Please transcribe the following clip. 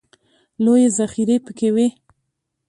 لویې ذخیرې پکې وې.